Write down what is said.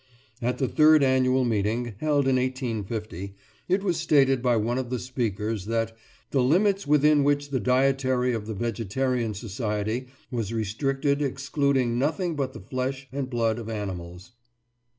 At the third annual meeting, held in 1850, it was stated by one of the speakers that "the limits within which the dietary of the Vegetarian Society was restricted excluded nothing but the flesh and blood of animals."